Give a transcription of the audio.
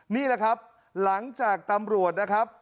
นี่แหละครับหลังจากตำรวจนะครับ